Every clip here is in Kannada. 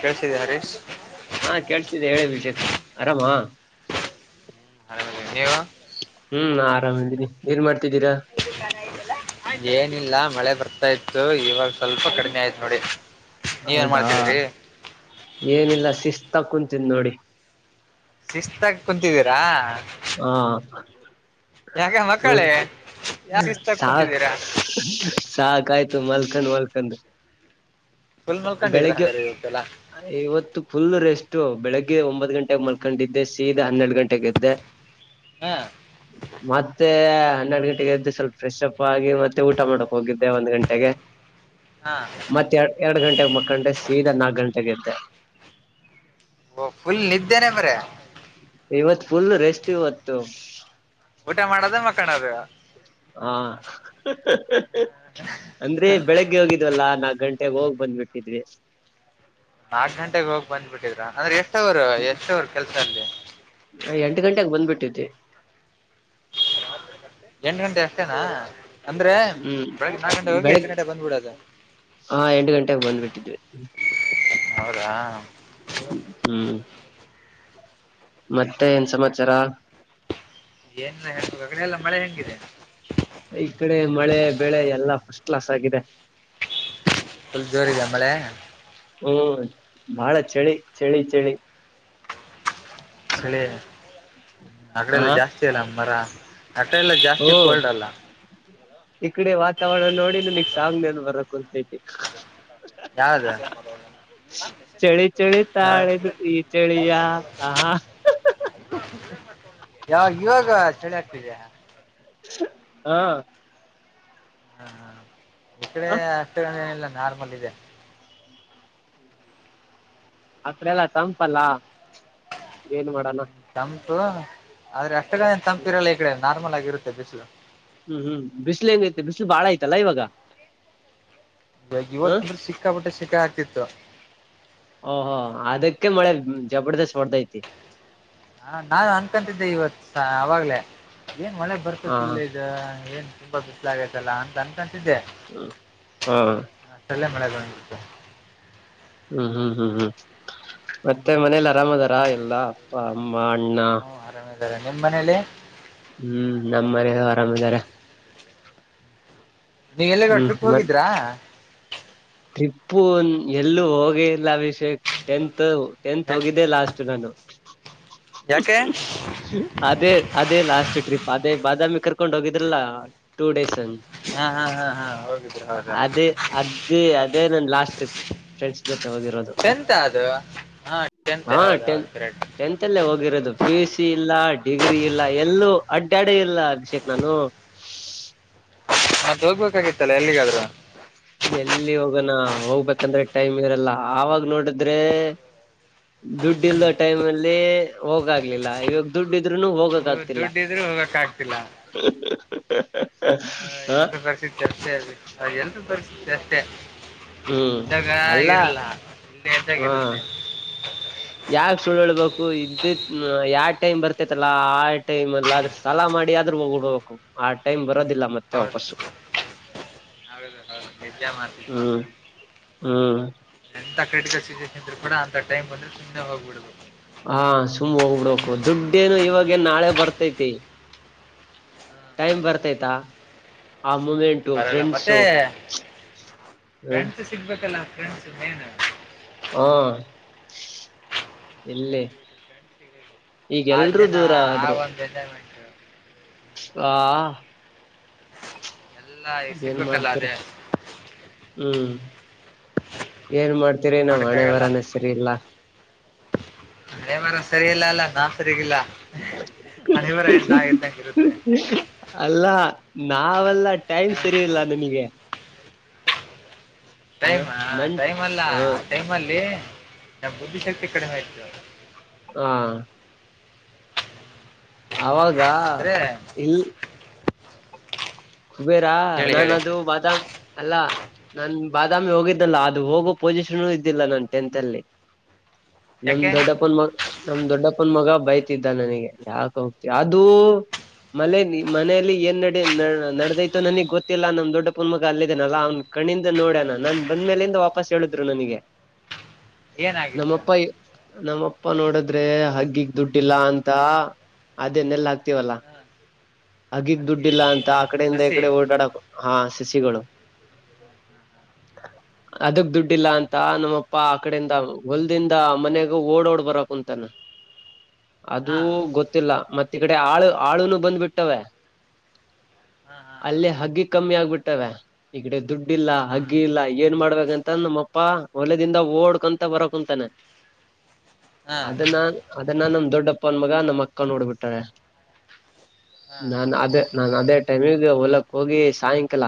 ಕೇಳ್ಸಿದೆ ಹರೀಶ್ ಹಾ ಕೇಳಸ್ತಿದೆ ಹೇಳ ವಿಜಯ ಆರಾಮ, ಆರಾಮಿದೀವಿ ನೀವು ಹ್ಮ್, ಆರಾಮ್ ಇದಿನೀ, ಏನ್ ಮಾಡ್ತ - ತಿದ್ದೀರಾ, ಏನಿಲ್ಲ ಮಳೆ ಬರ್ತಾ ಇತ್ತು. ಇವಾಗ ಸ್ವಲ್ಪ ಕಡಿಮೆ ಆಯ್ತು ನೋಡಿ. ನೀವೇನ್ ಹೌದಾ, ಮಾಡ್ತಿದ್ರಿ ಏನಿಲ್ಲ ಶಿಸ್ತ ಕುಂತ- ತಿನ್ನ ನೋಡಿ. ಶಿಸ್ತಾಗಿ ಕುಂತಿದ್ದೀರಾ... ಹಾ, ಯಾಕ ಹ್ಮ ಮಕ್ಕಳೇ ಯಾ ಶಿಸ್ತಾಗಿ ಸಾಕ್ ಕುಂತಿದ್ದೀರಾ ಸಾಕ್ [unintelligible] ಆಯ್ತು ಮಲ್ಕಂಡ, ಮಲ್ಕಂಡ, ಚಂದ ಫುಲ್ [unintelligible] [inaudible] ಮಲ್ಕೊಂಡಿದ್ರ ಬೆಳಿಗ್ಗೆ ಹಂಗಾರ ಇವತ್ತೆಲ್ಲ ಇವತ್ತು ಫುಲ್ ರೆಸ್ಟು ಬೆಳಗ್ಗೆ ಒಂಬತ್ತು ಗಂಟೆಗ ಮಲ್- ಮಲಕೊಂಡಿದ್ದೆ ಸೀದಾ ಹನ್ನೆರಡು ಗಂಟೆಗೆದ್ದೆ. ಹ ಮತ್ತೆ,, ಹನ್ನೆರಡು ಗಂಟೆಗೆ ಎದ್ದು ಸ್ವಲ್ಪ ಫ್ರೆಶ್ ಅಪ್ ಆಗಿ. ಮತ್ತೆ ಊಟ ಮಾಡೋಕ್ ಹೋಗಿದ್ದೆ ಒಂದ್ ಗಂಟೆಗೆ. ಹಾ -ಮತ್ತೆ ಎರ ಎರಡು ಗಂಟೆಗೆ ಮಕ್ಕಂಡೆ ಸೀದಾ ನಾಕ ಗಂಟೆ- ಎದ್ದ [inaudible] ಓ ಫುಲ್ ನಿದ್ದೆನೆ ಬರೆ, - ಇವತ್ ಫುಲ್ ರೆಸ್ಟ್ ಇವತ್ತು. ಊಟ ಮಾಡೋದ ಮಕ್ಕನದ. - ಹಾ,, ಅಂದ್ರೆ ಬೆಳಗ್ಗೆ ಹೋಗಿದ್ವಲ್ಲಾ ನಾಕ್ ಗಂಟ- ಮತ್ತೆ ಹೋಗ್ ಬಂದ್ಬಿಟ್ಟಿದ್ವಿ ನಾಕ್ ಗಂಟೆಗೆ ಹೋಗಿ ಬಂದ್ಬ ಬಿಟ್ಟಿದ್ರಾ ಅಂದ್ರೆ ಎಸ್ ಎಷ್ಟವ್ರು ಎಷ್ಟವರು ಕೆಲ್ಸ ಅಲ್ಲಿ ಎಂಟು ಗಂಟೆೆಗೆ ಬಂದ್ಬಿಟಿದ್ವಿ ಎಂಟು ಗಂಟೆ ಅಷ್ಟೇನಾ ಅಂದ್ರೆ ಹ್ಮ್ ಬೆಳಗ್ಗೆ ನಾಲ್ಕು ಗಂಟೆ ಹೋಗಿ ಎಂಟು ಬೆಳಿಗ್ ಗಂಟೆ ಬಂದ್ಬಿಡೋದು ಹಾ ಎಂಟು ಗಂಟೆಗೆ ಬಂದ್ಬಿಟ್ಟಿದ್ವಿ ಹೌದಾ ್ಮ ಹ್ಮ್ ಮತ್ತೆ ಏನ್ ಸಮಾಚಾರ ಏನ್ ಹ ಅಗಡೆ ಎಲ್ಲ ಮಳೆ ಹೆಂಗಿದೆ ಈ ಕಡೆ ಮಳೆ ಬೆಳೆ ಎಲ್ಲಾ ಫಸ್ಟ್ ಕ್ಲಾಸ್ ಆಗಿದೆ ಸ್ವಲ್ಪ ಜೋರದೆ ಮಳೆ ಹ್ಮ್ ಬಹಳ ಚಳಿ ಚಳಿ ಚಳಿ ಳಿ ಆಡೆ ಆ ಎಲ್ಲ ಜಾಸ್ತಿ ಅಲ್ಲ ಮರ ಹಟ ಎಲ್ಲ ಜಾಸ್ತಿ ಕೋಲ್ಡ್ ಅಲ್ಲ ಈಕ್ಡೆ ವಾತಾವರಣ ನೋಡಿ ನನಗ್ ಸಾಂಗ್ ನನ್ ಬರಕ್ ಕುಂತೈತಿ ಯಾರ ಹದ ಚಳಿ ಚಳಿ ತಾಳೆದು ಈ ಚಳಿಯ ಆಹಾ ಯಾವ ಇವಾಗ ಚಳಿ ಾಾ ಹಾ ಹಾ ಹಾ ಈ ಕಡೆ ಅಷ್ಟ ನಿಲ್ಲ ನಾರ್ಮಲಿಿದೆ ಅಕಡೆ ಎಲ್ಲ ತಂಪಲ್ಲ ಏನ್ ಮಾಡಣ ತಂಪು ಆದ್ರೆ ಅಷ್ಟಗನ್ ತಂಪಿರಲ್ಲ ಈ ಕಡೆ ನಾರ್ಮಲ್ ಆಗಿರುತ್ತೆ ಬಿಸಿ್ಲು ಹ್ಮ್ ಹ್ಮ್ ಬಿಸಿ್ಲು ಹೆಂಗೈತೆ ಬಿಸಿ್ಲು ಬಾಳ ಐತಲ್ಲ ಇವಾಗ ಇವ ಹ ಇವತ್ತು ತುಂದ್ರ ಸಿಕ್ಕಾ ಬಿಿಟ್ಟೆ ಸಿಕ್ಕಾ ಆಗ್ತಿತ್ತು ಓಹೋ ಅದಕ್ಕೆ ಮಳೆ ಜಬರ್ದಸ್ತ್ ಮಾಡರ್ದೈತಿ ಹಾ ನಾು ಅನ್ಕಂತಿದ್ದೆ ಇವತ್ ಅವಾಗ್ಲೇ ಏನ್ ಮಳೆ ಹಾ ಹಾ ಬರ್ಕೋತಿಿಲ್ಲ ಇದ ಏನ್ ತುಂಬ ಬಿಸ್ಲ ಆತಲ್ಲ ಅಂತ ಅನ್ಕಂತಿದ್ದೆ ಹ್ಮ ಹ್ಮ್ ನಲ್ಲೆ ಮಳೆ ಬತ ಹ್ಮ್ ಹ್ಮ್ ಹ್ಮ್ ಹ್ಮ್ ಮತ್ತೆ ಮನೇಲಿ ಆರಾಮ ಅದಾರ ಎಲ್ಲ ಅ ಮಾಡಣ್ಣ ನಿಮ್ಮ್ ಮನೇಲಿ ಹ್ಮ್ ನಮ್ಮ ಮನ ಆರಾಮ್ಿದಾರ ನೀವು ಎಲ್ಲನ ಹ್ಮ್ ಟ್ರಿಪ್ ಹೋಗಿದ್ರಾ ನಿಪ್ಪು ಎಲ್ಲೂ ಹೋಗಿ ಇಲ್ಲ ಅಭಿಷೇಕ್ ಟೆಂತ್ [unintelligible] ಟೆಂತ್ ಹೋಗಿದ್ದೆ ಲಾಸ್ಟ್ ನಾನು ಯಾಕೆ ಅದೇ ಅದೇ ಲಾಸ್ಟ್ ಟ್ರಿಪ್ ಅದೇ ಬಾದಾಮಿ ಕರ್ಕೊಂಡ್ ಹೋಗಿದ್ರಲ್ಲ ಟೂ ಡೇಸ್ ಹಾ ಹಾ ಹಾ ಹಾ ಹೋಗಿದ್ರೆ ಹೌದು ಅದೇ ಅದೇ ಅದೇ ನನ್ ಲಾಸ್ಟ್ ಟ್ರಿಪ್ ಫ್ರೆಂಡ್ಸ್ ಜೊತೆ ಓದಿರೋದು ಟೆಂತ್ ಅದು ಹಾ ಟೆಂತ್ ಹ ಹೌದ ಹೌದು ಟೆಂತ್ ಕರೆಕ್ಟ್ ಟೆಂತ್ ಅಲ್ಲ ಓದಿರೋದು ಪಿಯುಸಿ ಇಲ್ಲ ಡಿಗ್ರಿ ಇಲ್ಲ ಎಲ್ಲೂ ಅಡ್ಡ ಅಡೆ ಇಲ್ಲ ಅಭಿಷೇಕ್ ನಾನು ನಾತ್ ಹೋಗ್ಬೇಕಾಗಿತ್ತಲ್ಲಾ ಎಲ್ಲಿಗಾದ್ರೂ ಎಲ್ಲಿ ಹೋಗೋಣ ಹೋಗ್ಬೇಕಂದ್ರೆ ಟೈಮ್ ಇರಲ್ಲ ಆವಾಗ ನೋಡಿದ್ರೆ ದುಡ್ಡಿಲ್ದ ಟೈಮ್ ಅಲ್ಲಿ ಹೋಗ್ಲಿಲ್ಲ ಇವಾಗ ದುಡ್ ಇದೆ ಇನ್ನು ಹೋಗಕ್ ನೀವು ಆಗ್ತಿಲ್ಲ ದುಡ್ಡ ಇದ್ರು ಹ ಹಾ ಎಲ್ರೂ ತರಿಸಿ ಎಲ್ಲರೂ ತರಿಸಿ ಎತ್ತೆ ಹ್ಮ್ ಅಲ್ಲ ಇಲ್ಲೇ ಇದ್ದಾಗ ಹಾ ಇರುತ್ತೆ ಯಾಕ್ ಸುಳ್ಳ್ಬೇಕು ಇದ್ದಿದ್ನಾ ಯಾಕ್ ಟೈಮ್ ಬರ್ತೈತಲ್ಲಾ ಆಟೈಮ ಅಲ್ಲಿ ಆದ್ರೆ ಸಾಲ ಮಾಡಿ ಆದ್ರೂ ಹೋಗಿಡ್ಬೇಕು ಆ ಟೈಮ್ ಮತ್ತೆ ಬರೋದಿಲ್ಲ ಹೌದು ವಾಪಸ್ಸು ಹೌದು ಹೌದು ನಿಜ ಮಾತಿಗ್ ಮಾತ್ರ ಹ್ಮ್ ಹ್ಮ್ ಎಂತ ಕಟಿಗೆ ಸಿಗು ಕೂಡ ಅಂತ ಟೈಮ್ ಬಂದ್ರ ಸುಮ್ಮನೆ ಹೋಗ್ಬಡ್ಬೇಕು ಹಾ ಸುಮ್ಮ್ ಹೋಗ್ಬಿಡ್ಬೇಕು ದುಡ್ಡೇನು ಇವಾಗ ನಾಳೆ ಬರ್ತೈತಿ ಟೈಮ್ ಬರ್ತೈತಾ ಆ ಮೂಮೆಂಟು ಬರಲ್ಲ ಫ್ರೆಂಡ್ಸು ಮತ್ತೆ ಹ ಫ್ರೆಂಡ್ಸು ಸಿಗ್ಬೇಕಲ್ಲ ಫ್ರೆಂಡ್ಸ್ ಮೇನ್ ಹಾ ಇಲ್ಲಿ ಆ ಈಗೆಲ್ರೂ ಜನ ದೂರ ಆ ಆದ್ರು ಒಂದು ಎಂಜಾಯ್ಮೆಂಟ್ ಹಾ ಎಲ್ಲ ಈಗ ಏನ್ ಸಿಗ್ಬೇಕಲ್ಲ ಮಾಡ್ತೀರ ಅದೇ ಹ್ಮ್ ಏನ್ ಮಾಡ್ತೀರಿ ನಮ್ಮ ಹಣೆ ಮಾಡಕ್ಕಾಗಲ್ಲ ಬರಾನೇ ಸರಿ ಇಲ್ಲ ಹಣೆಬರ ಸರಿಯಲ್ಲ ಅಲ್ಲ ನಾವು ಸರಿಗಿಲ್ಲ ಹಣೆಬರ ಏನ್ ನಾ ಇದ್ದಂಗೆ ಇರುತ್ತೆ ಅಲ್ಲ ನಾವೆಲ್ಲ ಟೈಮ್ ಸರಿ ಇಲ್ಲ ನಿನಗೆ ಟೈಮ ನನ್ ಟೈಮ್ ಅಲ್ಲಾ ಹ ಟೈಮ್ ಅಲ್ಲಿ ನಾ ಬುದ್ಧಿಶಕ್ತಿ ಕಡೆ ಹಯ್ತವಾಗ ಹಾ ಆವ ಗಾ ಅಂದ್ರೆ ಇಲ್ಲಿ ಹಬೇರಾ ಹೇಳಿ ನಾನ ಹೇಳಿ ಅದು ಬಾದಾಮ ಅಲ್ಲಾ ನಾ ಬಾದಾಮಿ ಹೋಗಿದ್ದಲ್ಲ ಅದು ಹೋಗೋ ಪೊಸಿಷನ್ ಇದ್ದಿಲ್ಲ ನನ್ ಟೆಂತ್ ಅಲ್ಲಿ ನಮ ಯಾಕೆ ದೊಡ್ಡಪ ನಮ್ ದೊಡ್ಡಪ್ಪನ ಮಗ ಬೈತಿದ್ದ ನನಗೆ ಯಾಕ ಹೋಗ್ತಿವಿ ಅದು ಮನೆ ಮನೇಲಿ ಏನ್ ನಡಿ ನಡದೈತತ್ತು ನನಗ್ ಗೊತ್ತಿಲ್ಲಾ ನಮ್ ದೊಡ್ಡ ಪುಣ ಮಗ ಅಲ್ಲಿದೆೇನಲ್ಲಾ ಅವ್ನ್ ಕಣಿಂದ ನೋಡ್ಯಣ ನಾನ್ ಬಂದ್ಮೇಲಿಂದ ವಾಪಸ್ ಹೇಳಿದ್ರು ನನಗೆ ಏನಾಗಿತ್ತು ನಮ್ಮಪ್ಪ ನಮ್ಮ ಅಪ್ಪ ನೋಡದ್ರೆ ಹಗ್ಗಿಗ್ ದುಡ್ಡಿಲ್ಲ ಅಂತ ಅದೇನ್ನೆಲ್ಲ ಆಾಕ್ತಿವಲ್ಲ ಹಗ್ಗಗ್ ಹಕ್ಕಿ ದುಡ್ಡಿಲ್ಲಾ ಹಕ್ಕಿ ಅಂತ ಅಡೆಯಿಂದ ಸಸಿ ಈಕಡೆ ಓಡಾಡ ಹಾ ಸಿಗಳು ಅದಕ್ ದುಡ್ಡಿಲ್ಲ ಅಂತ ನಮ್ಮಪ್ಪ ಆ ಕಡೆಯಿಂದ ಹೊಲ್ದಿಂದ ಮನೆಗ ಓಡೋಡ್ ಬರಕ್ ಅಂತಾನ ಅದುೂ ಹಾ ಗೊತ್ತಿಲ್ಲ ಮತ್ತ ಈ ಕಡೆ ಆಳು ಆಳುನು ಬಂದ್ಬ ಬಿಟ್ಟವ ಹಾ ಹಾ ಅಲ್ಲ ಹಗ್ಗಿ ಕಮ್ಮಿ ಆಗ್ಬಿಟ್ಟಾವ ಈಗಡೆ ದುಡ್ಡಿ ಇಲ್ಲ ಹಾ ಹಗ್ಗಿ ಇಲ್ಲ ಏನ್ ಮಾಡ್ಬೇಕಂತಂದ ನಮ್ಮಪ್ಪ ಒಲದಿಂದ ಓಡ್ಕೊಂತ ಬರಕಂತಾನೆ ಹಾ ಅದನ್ನಾ ಅದನ್ನ ನಮ ದೊಡ್ಡಪ್ಪ ಅನ್ ಮಗ ನಮ್ಮ ಅಕ್ಕ ನೋಡ್ಬಿಟ್ಟಾರೆ ಹಾ ಹಾ ನಾನ ಅದೇ ನಾನನ್ ಅದೇ ಟೈಮಿಗ ಹೊಲಕ್ ಹೋಗಿ ಸಾಯಂಕಾಲ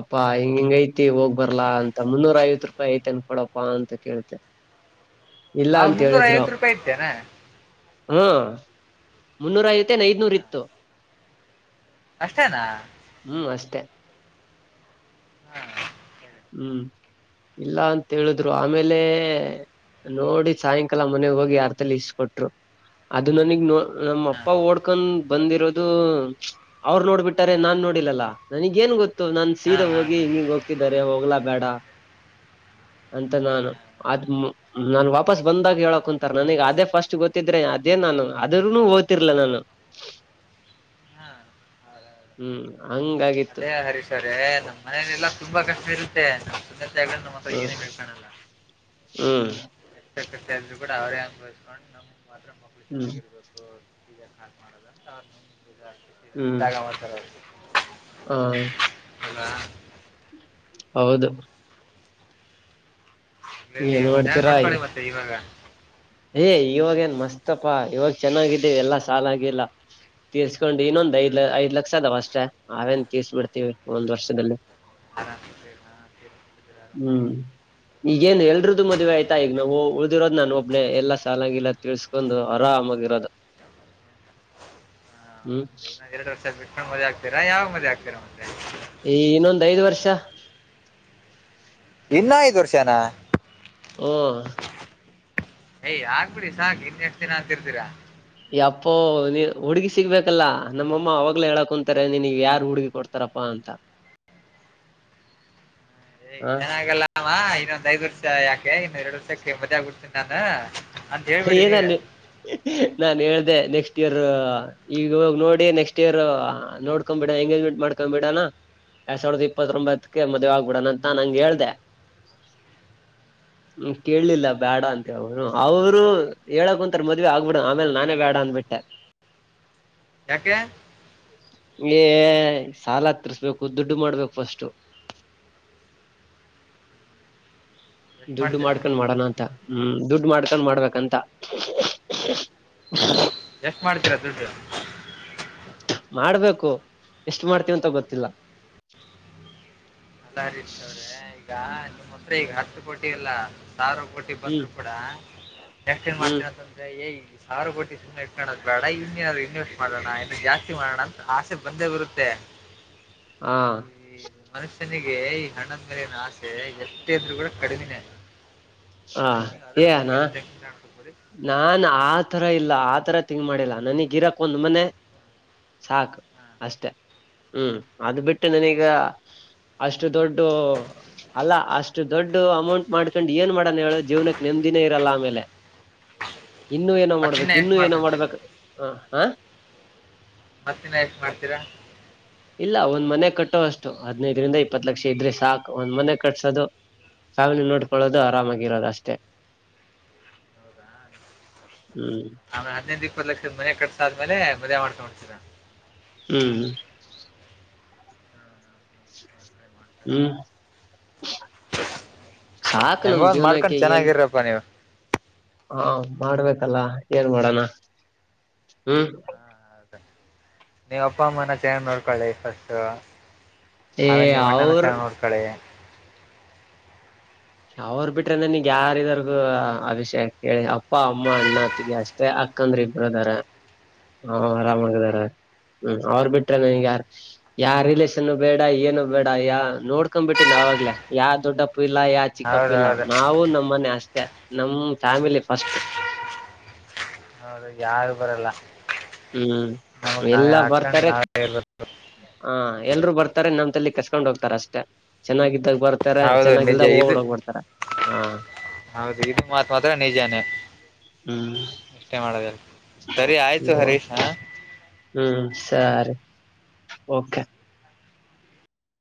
ಅಪ್ಪಾ ಹಾ ಹಿಂಗ ಹಿಂಗ ಐತಿ ಹೋಗ್ ಬರ್ಲಾ ಅಂತ ಮುನ್ನೂರ ಐವತ್ ರೂಪಾಯಿ ಐತೆನ್ ಕೊಡಪ್ಪಾ ಅಂತ ಕೇಳ್ತೆ ಇಲ್ಲ ಹ ಅಂತ ಮುನ್ನೂರ ಐವತ್ತು ರೂಪಾಯಿ ಐತೇನೆ ಹಾ ಮುನ್ನೂರ ಆಯತೆೇನ್ ಹಾ ಐದನೂರ್ ಇತ್ತು ಅಷ್ಟೇನಾ ಹ್ಮ್ ಅಷ್ಟೆ ಹಾ ಹ್ಮ್ ಇಲ್ಲ ಅಂತ ಹೇಳಿದ್ರು ಆಮೇಲೆ ನೋಡಿ ಸಾಯಂಕಾಲ ಮನೆಗ್ ಹೋಗಿ ಅರ್ತಲ್ಲಿ ಇಸ್ ಕೊೊಟ್ರು ಅದು ನನಗ್ ನೋ ನಮ್ಮ ಹಾ ಅಪ್ಪ ಓಡ್ಕೊಂಡ್ ಬಂದಿರೋದು ಅವರು ನೋಡ್ಬಿಟ್ಟಾರೆ ನಾನ್ ನೋಡಿಲ್ಲಲ್ಲಾ ನನಗ ಏನ್ ಗೊ ನಾನ್ ಹಾ ಸೀದ ಹಾ ಹೋಗಿಂಗಿ ಹೋಗ್ತ ಿದ್ದಾರೆ ಹೋಗ್ಲಾ ಬೇಡ ಅಂತ ನಾನು ಅದ್ ನಾನನ್ ವಾಪಸ್ ಬಂದಾಗ ಹೇಳಕ್ ಕುಂತಾರ ನನಗ ಅದೇ ಫಸ್ಟ್ ಗೊತ್ತಿದ್ರೆ ಅದೇ ನಾನು ಅದ್ರೂನು ಓ್ತಿರ್ಲ ನಾನು ಹಾ ಹೌದೌದು ಹ್ಮ್ ಹಂಗಾಗಿತ್ತು ಅದೇ ಹರೀಶ್ ಅವರೇ ನಮ್ಮ್ ಮನೇಲೆಲ್ಲಾ ತುಂಬಾ ಕಷ್ಟ ಇರುತ್ತೆ ಅ ನಮ್ಮತ್ರ ಏನ ಹ್ಮ್ ಹೇಳ್ಕಳಲ್ಲ ಹ್ಮ್ ರು ಕೂಡ ಅವರೇ ಅನುವ್ಕೊಂಡು ನಮ ಮಾತ್ರ ಮಕ್ಕಳು ಹ್ಮ್ ಚೆನ್ನಾಗಿರ್ಬೇಕು ಈಗ ಯಾ ಮಾಡದ ಾಗ ಮಾ್ತದು ಹಾ ಅಲ್ಲ ಹೌದು ಇಲ್ಲಿ ಏನ್ ಯ ಮಾಡ್ತೀರಾ ನೋಡ್ಕೊಳ್ಳಳಿ ಮತ್ತೆ ಇವಾಗ ಏ ಇವಾಗ ಏನ್ ಮಸ್ತಪಾ ಇವಾಗ ಚೆನ್ನಾಗಿದ್ದೀವಿ ಎಲ್ಲಾ ಸಾಲ ಆಾಗಿಿಲ್ಲ ತೀರ್ಕೊಂಡ್ ಇನ್ನೊಂದ್ ಹಾ ಐದ್ ಐದ್ ಲಕ್ಷ ಅದಾವ ಅಷ್ಟೇ ಅವೇನ್ ತೀರ್ಬಿಡ್ತೀವಿ ಒಂದ್ ವರ್ಷದಲ್ಲಿ ಆರಾಮ್ ಆರಾಮ್ ಹ್ಮ್ ಈಗೇನ್ ಎಲ್ರದದು ಮದ್ವೆ ಆಯ್ತಾ ಈಗ ನಾ ಉಳ್ದಿರೋದ್ ನಾನು ಒಬ್ ಎಲ್ಲ ಸಾಲಾಗಿಲ್ಲ ತಿಳಸ್ಕೊಂಡು ಆರಾಮಾಗಿರೋದು ಹ್ಮ್ ನ ಎಡು ವರ್ ಆಗ್ ಬಿು ಮಕ್ಕಳ ಮದ ಆಗ್ತರಾ ಯಾವ ಮದೆ ಆಗ್ತೀರ ಮತ್ತೆ ಈ ಇನ್ನೊಂದ್ ಐದ್ ವರ್ಷ ಇನ್ನ ಐದು ವರ್ಷನ ಹ್ಮ ಯ್ ಆಗ್ಬಿಡಿ ಸಾಕು ಇನ್ ಎಷ್ಟ ದಿನ ಅಂತಿರ್ತೀರಾ ಯಪ್ಪೋ ನೀ ಹುಡ್ಗಿ ಸಿಗ್ಬೇಕಲ್ಲಾ ನಮ್ಮಮ್ಮ ಅವಾಗ್ಲ ಹೇಳಾಕ ಕುಂತಾರೆ ನಿಿನ ಯಾರ್ು ಹುಡ್ಗಿ ಕೊಡ್ತಾರಪ್ಪಾ ಅಂತ ಹ ಏನಾಗಲ್ಲ ಅ ಇನ್ನೊಂದ್ ಐ್ ವರ್ಷ ಯಾಕೆ ಇನ್ನ್ ಎರಡು ವರ್ಷ ಮ್ಮದಿ ಆಗ್ಬಿಡ್ತೀಿ ನಾನ ಏನನ್ ನಾನ್ ಹೇಳ್ದ ನೆಕ್ಸ್ಟ್ ಇಯರ್ ಈಗ ನೋಡಿ ನೆಕ್ಸ್ಟ್ ಇಯರ್ ನೋಡ್ಕೊ್ ಬಿಿಡ ಎಂಗೇಜ್ಮೆಂಟ್ ಮಾಡ್ಕೊಂಡ್ಬಿಡಣ ಎರಡ್ ಸಾವಿರದ ಇಪ್ಪತ್ತೊಂಬತ್ತ ಮದ್ ಆಗ್ಬಿಡಣ ಅಂತ ನಂಗೆ ಹೇಳ್ದ ಹ್ಮ ಕೇಳಲಿಲ್ಲ ಬ್ಯಾಡ ಅಂತ ಹೇಳ ರು ಹೇಳಕ್ ಕುಂತಾರೆ ಮದ್ವೆ ಆಗ್ಬಿಡ ಆಮೇಲೆ ನಾನೇ ಬೇಡ ಅಂದಬಿಟ್ಟೆ ಯಾಕೆ ಗೆ ಸಾಲ ತಿರ್ಸ್ಬೇಕು ದುಡ್ಡು ಮಾಡ್ಬೇಕು ಫಸ್ಟ್ು ಎಷ್ಟ್ ದುಡ್ಡು ಮಾಡ್ತೀರಾ ಮಾಡ್ಕೊಂಡ್ ಮಾಡೋಣ ಅಂತ ಹ್ಮ್ ದುಡ್ ಮಾಡ್ಕೊಂಡ ಮಾಡ್ಬೇಕಂತ ಎಷ್ಟು ಮಾಡ್ತೀರಾ ದುಡ್ಡು ಮಾಡ್ಬೇಕು ಎಷ್ಟ ಮಾಡ್ತೀವ ಅಂತ ಗೊತ್ತಿಲ್ಲ ಈಗಾ ನಿಮ್ಮ್ ಹತ್ರ ಈಗ ಹಷ್ಟ ಕೊಟ್ಟವಲ್ಲ ಸಾವಿರ ಕೋಟಿ ಹ್ಮ್ ಬಂದ್ರು ಕೂಡ ಎಕ್ಟ್ ಏನ್ ಹ್ಮ್ ಮಾಡ್ತೀನ ಅಂತಂದ್ರೆ ಏ ಸಾವಿರ ಕೋಟ ಸುಮ್ಮನೆ ಇಟ್ಕೋದ ಬೇಡ ಇನ್ನೇಏನಾದ್ರು ಇನ್ವೆಸ್ಟ್ ಮಾಡೋಣ ಇನ್ನು ಜಾಸ್ತಿ ಮಾಡೋಣ ಅಂತ ಆಸೆ ಬಂದೇ ಬರುತ್ತೆ ಹಾ ಈ ಮನುಷ್ಯನಿಗೆ ಈ ಹಣ್ಣದ ಮೇಲಿನ ಆಸೆ ಎಷ್ಟ ಇದ್ರು ಕೂಡ ಕಡಿಮಿನೇ ಆ ಆ ಅದಕ್ ನೀವು ಅದ್ರ ಏ ಅಣ್ಣ ಬಗ್ಗೆ ಎಲ್ಲಿ ತೆಂ ಕಕೊಂಡಬೋಡಿ ನಾನ್ ಆತರ ಇಲ್ಲ ಆತರ ತಿಂಗ್ ಮಾಡಿಲ್ಲ ನನಗ್ಿರಕ್ ಒಂದ್ ಮನೆ ಸಾಕ್ು ಅಷ್ಟೆ ಹ್ಮ್ ಅದು್ ಬಿಟ್ಟು ನನೀಗ ಅಷ್ಟು ದೊಡ್ಡ ಅಲ್ಲ ಅಷ್ಟು ದೊಡ್ಡ ಅಮೌಂಟ್ ಮಾಡ್ಕೊಂಡ್ ಏನ್ ಮಾಡಣ ಹೇಳ ಜೀವನಕ್ ನೆಮದಿನೇ ಇರಲ್ಲ ಆಮೇಲೆ ಇನ್ನು ಏನೋ ಮತ್ತಿನ್ನ ಮಾಡ್ಬೇಕು ಎಷ್ಟು ಇನ್ನುೂ ಏನೋ ಮಾಡ್ಕೊಂತೀರಾ ಮಾಡ್ಬೇಕ ಹ ಹಾ ಮತ್ತಿನ ಎಷ್ಟು ಮಾಡ್ತೀರಾ ಇಲ್ಲ ಒಂದ್ ಮನೆ ಕಟ್ಟೋ ಅಷ್ಟು ಹದ್ನೈದರಿಂದ ಇಪ್ಪತ್ ಲಕ್ಷ ಇದ್ರೆ ಸಾಕು ಒಂದ್ ಮನೆ ಕಟ್ಸೋದು ಫ್ಯಾಮಿಲಿ ನೋಡ್ಕೊಳ್ಳೋದು ಹಾಂ, ಆರಾಮಾಗಿರೋದು ಅಷ್ಟೇ ಹೌದಾ ಹ್ಮ್ ಆಮೇಲೆ ಹನ್ನೊಂದ್ ಇಪ್ಪತ್ತು ಲಕ್ಷದ ಮನೆ ಕಟ್ಸಾದ್ಮೇಲೆ ವದೆ ಮಾಡ್ಕೊೊಂಡತೀರ ಹ್ಮ್ ಹ್ಮ್ ಸಾಕು ಹೆಂಗ ನಮ್ ಒಂದ್ ಮಾಡ್ಕೊಂಡ್ ಜೀವನಕ್ಕೆ ಚೆನ್ನಾಗಿರಪ್ಪಾ ನೀವು ಹಾ ಮಾಡ್ಬೇಕಲ್ಲ ಏನ್ ಮಾಡೋಣ ಹ್ಮ್ ಹಾಂ, ಹೌದಾ. ನೀವು ಅಪ್ಪ ಅಮ್ಮನ ಚೆ್ ನೋಡ್ಕೊಳ್ಳಿ ಫಸ್ಟ್ ಏ ಅವೆಲ್ಲಿ ಮಣ್ಣನ ಅವ್ರ ಸಣ ನೋಡ್ಕಳೆ ಅವ್ರ ಬಿಟ್ರನಗ್ ಯಾರ ಇದಾರ್ಗು ಅಭಿಷೇಕ್ ಹೇಳಿ ಅಪ್ಪ ಅಮ್ಮ ಅಣ್ಣತ್ತಗ ಅಷ್ಟೇ ಅಕ್ಕಂದ್ರ ಇಬ್ರದಾರ ಹಾಂ ಆರಾಮಗದಾರ ಹ್ಮ ಅವ್ರ ಬಿಟ್ರೆ ನನ್ಗ ಹಾಂ ಹಾಂ, ಯಾರ್ ಯಾರ್ ರಿಲೇಷನ್ ಬೇಡ ಏನು ಬೇಡ ಯ ನೋಡ್ಕೊಂಡ್ ಬಿಟ್ಟೀನ್ ಅವಾಗ್ಲೇ ಯಾರ್ ದೊಡ್ಡಪ್ಪ ಇಲ್ಲ ಹೌದು ಚಿಕ್ಕಪ್ಪಿಲ್ಲ ಹೌದು ನಾವು ನಮ್ಮ ಮನೆ ಅಷ್ಟೇ ನಮ್ ಫ್ಯಾಮಿಲಿ ಫಸ್ಟ್ ನೋ್ರ ಯಾರು ಬರಲ್ಲ ಹ್ಮ್ ನಮಗ್ ನಾವೇ ಎಲ್ಲ ಹಾಕೊಂಡು ಬರ್ತಾರೆ ನಾವೇ ಇರ್ಬೇಕು ಹಾ ಎಲ್ರು ಬರ್ತಾರೆ ನಮ್ ತಲ್ಲಿ ಕಸ್ಕೊಂಡ್ ಹೋಗ್ತಾರ ಅಷ್ಟೆ ಚೆನ್ನಾಗಿದ್ದಾಗ ಬರ್ತಾರೆ ಹೌದು ನಿಜ ಚೆನ್ನಾಗಿಲ್ದಾಗ ಇದು ಓಡ್ ಹೋಗ್ಬಿಡ್ತಾರ ಹಾ ಹೌದು ಇದು ಮಾತ್ ಮಾತ್ರ ನಿಜಾನೇ ಹ್ಮ್ ಇಷ್ಟೇ ಮಾಡದು ಸರಿ ಆಯ್ತು ಹರೀಶ ಹ್ಮ್ ಸರಿ ಓಕೆ